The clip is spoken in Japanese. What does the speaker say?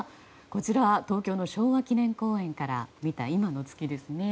東京の昭和記念公園から見た今の月ですね。